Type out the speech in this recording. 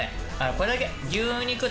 これだけ。